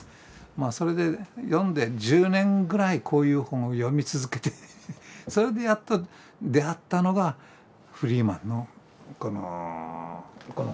まあそれで読んで１０年ぐらいこういう本を読み続けてそれでやっと出会ったのがフリーマンのこの本ですね。